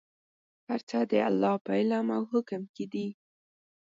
هر څه د الله په علم او حکم کې دي.